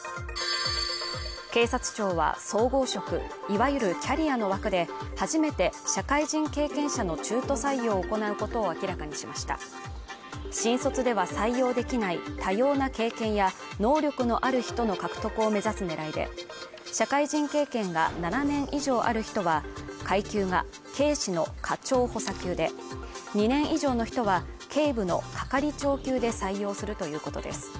警察庁は総合職いわゆるキャリアの枠で初めて社会人経験者の中途採用を行うことを明らかにしました新卒では採用できない多様な経験や能力のある人の獲得を目指す狙いで社会人経験が７年以上ある人は階級が警視の課長補佐級で２年以上の人は警部の係長級で採用するということです